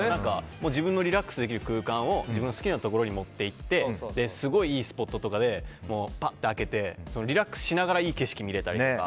自分のリラックスできる空間を自分の好きなところに持っていってすごくいいスポットとかでパッて開けてリラックスしながらいい景色見られたりとか。